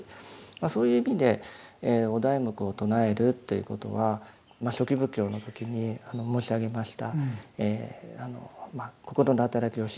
そういう意味でお題目を唱えるということはまあ初期仏教の時に申し上げました